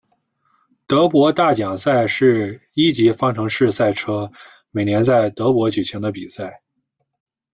德国大奖赛是一级方程式赛车每年在德国举行的比赛。